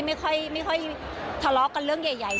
ไม่ค่อยทะเลาะกันเรื่องใหญ่